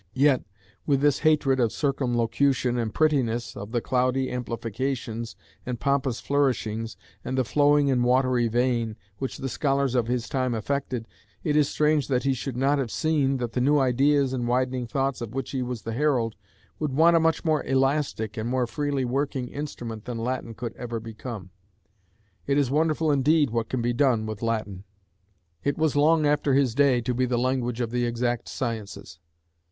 Yet, with this hatred of circumlocution and prettiness, of the cloudy amplifications, and pompous flourishings, and "the flowing and watery vein," which the scholars of his time affected, it is strange that he should not have seen that the new ideas and widening thoughts of which he was the herald would want a much more elastic and more freely working instrument than Latin could ever become. It is wonderful indeed what can be done with Latin. It was long after his day to be the language of the exact sciences.